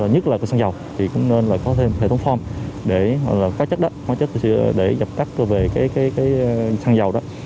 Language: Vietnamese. nhất là sân dầu thì cũng nên có thêm hệ thống form để có chất để dập cắt về sân dầu